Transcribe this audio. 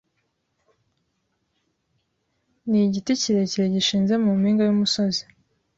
nk igiti kirekire gishinze mu mpinga y umusozi